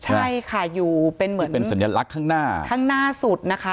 ใช่ค่ะอยู่เป็นเหมือนเป็นสัญลักษณ์ข้างหน้าข้างหน้าสุดนะคะ